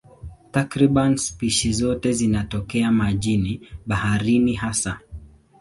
Takriban spishi zote zinatokea majini, baharini hasa.